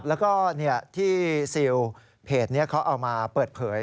แล้วก็ที่ซิลเพจนี้เขาเอามาเปิดเผย